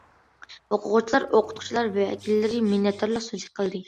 ئوقۇغۇچىلار، ئوقۇتقۇچىلار ۋەكىللىرى مىننەتدارلىق سۆزى قىلدى.